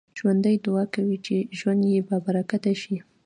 ژوندي دعا کوي چې ژوند يې بابرکته شي